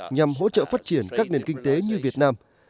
nhằm hỗ trợ phát triển các nền kinh tế như việt nam